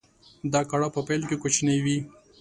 دا کړاو په پيل کې کوچنی وي.